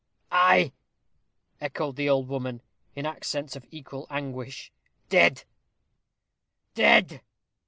"Ay," echoed the old woman, in accents of equal anguish "dead dead!"